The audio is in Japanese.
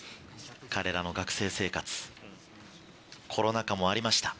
彼らの学生生活コロナ禍もありました。